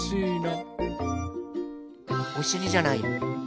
おしりじゃないよ。